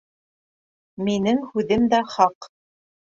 Минең һүҙем дә хаҡ.